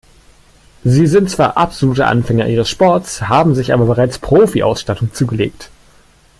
Sie sind zwar absolute Anfänger ihres Sports, haben sich aber bereits Profi-Ausstattung zugelegt.